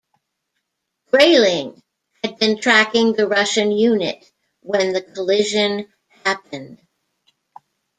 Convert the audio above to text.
"Grayling" had been tracking the Russian unit when the collision happened.